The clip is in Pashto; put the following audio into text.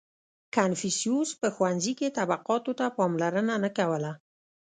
• کنفوسیوس په ښوونځي کې طبقاتو ته پاملرنه نه کوله.